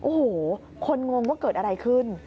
โอ้โหคนงงว่าเกิดอะไรขึ้น